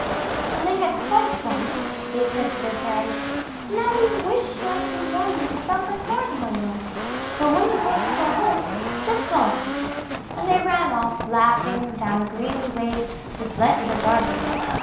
When they had quite done, they said to their parents: 'Now we should like to wander about the garden a little, but when you want to go home, just call to us.' And they ran off, laughing, down a green glade, which led to the garden.